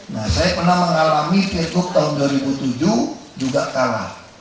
nah saya pernah mengalami k pop tahun dua ribu tujuh juga kalah